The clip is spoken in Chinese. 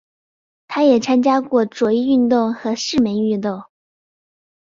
他也参加过左翼运动和市民运动。